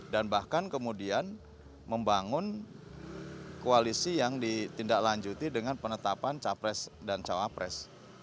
dan bahkan kemudian membangun koalisi yang ditindaklanjuti dengan penetapan capres dan cawapres